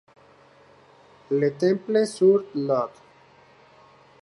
Le Temple-sur-Lot